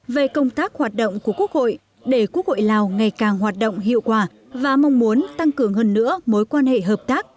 về công tác hoạt động của quốc hội để quốc hội lào ngày càng hoạt động hiệu quả và mong muốn tăng cường hơn nữa mối quan hệ hợp tác